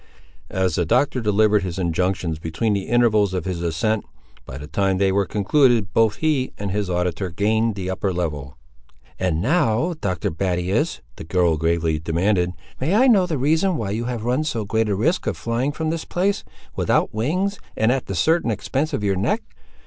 As the Doctor delivered his injunctions between the intervals of his ascent, by the time they were concluded, both he and his auditor had gained the upper level. "And now, Dr. Battius," the girl gravely demanded, "may I know the reason why you have run so great a risk of flying from this place, without wings, and at the certain expense of your neck?"